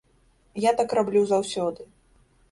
Я так раблю заўсёды.